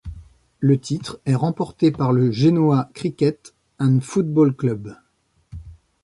Le titre est remporté par le Genoa Cricket and Football Club.